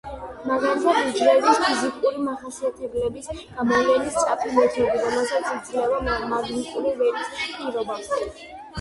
მაგალითად, უჯრედის ფიზიკური მახასიათებლების გამოვლენის სწრაფი მეთოდი, რომელსაც იძლევა მაგნიტური ველის პირობა.